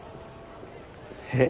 えっ？